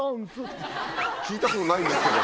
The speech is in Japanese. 聞いたことないんですけど。